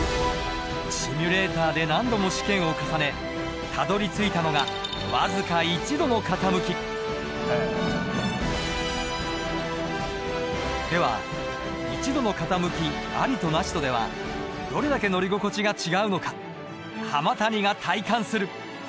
シミュレーターで何度も試験を重ねたどりついたのが僅かでは１度の傾きありとなしとではどれだけ乗り心地が違うのか浜谷が体感する。